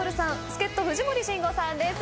助っ人藤森慎吾さんです。